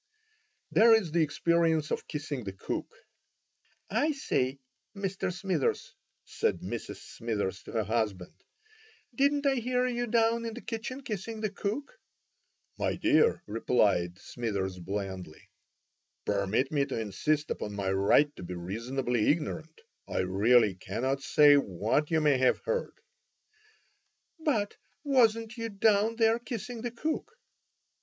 There is the experience of kissing the cook. "I say, Mr. Smithers," said Mrs. Smithers to her husband, "didn't I hear you down in the kitchen kissing the cook?" "My dear," replied Smithers, blandly, "permit me to insist upon my right to be reasonably ignorant. I really cannot say what you may have heard." "But wasn't you down there kissing the cook?"